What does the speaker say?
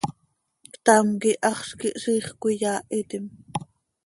Ctam quih haxz quih ziix cöiyaahitim.